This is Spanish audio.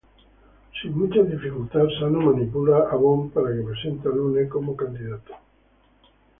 Sin mucha dificultad Sano manipula a Bog para que presente a Lune como candidato.